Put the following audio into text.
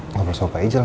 ngobrol sama pak ijal